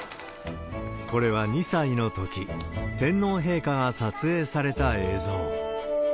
これは２歳のとき、天皇陛下が撮影された映像。